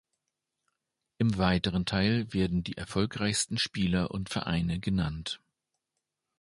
Im weiteren Teil werden die erfolgreichsten Spieler und Vereine genannt.